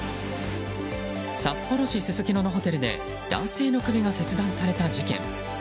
札幌市すすきののホテルで男性の首が切断された事件。